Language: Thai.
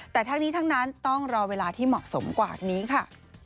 แต่ทั้งนี้ทั้งนั้นต้องรอเวลาที่เหมาะสมกว่านี้ค่ะ